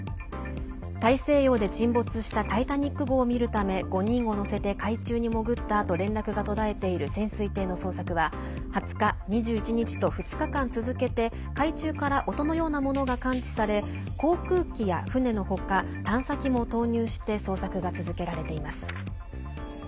大西洋で沈没したタイタニック号を見るため５人を乗せて海中に潜ったあと連絡が途絶えている潜水艇の捜索は２０日、２１日と２日間続けて海中から音のようなものが感知され、航空機や船の他探査機も投入して捜索が続けられています。